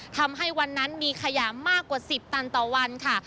ทำให้วันนั้นมีขยะมากกว่า๑๐ตันต่อวันค่ะ